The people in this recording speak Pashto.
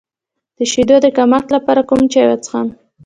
د شیدو د کمښت لپاره کوم چای وڅښم؟